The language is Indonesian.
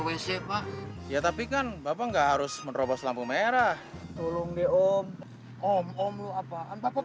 wc pak ya tapi kan bapak nggak harus menerobos lampu merah tolong diom om om lu apaan takut